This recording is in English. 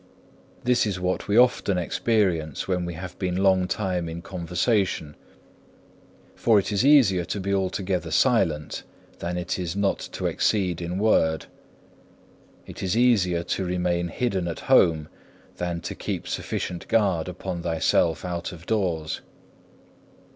This is what we often experience when we have been long time in conversation. For it is easier to be altogether silent than it is not to exceed in word. It is easier to remain hidden at home than to keep sufficient guard upon thyself out of doors.